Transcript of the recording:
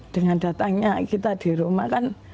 dengan datangnya kami ke rumah